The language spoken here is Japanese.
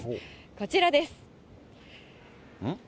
こちらです。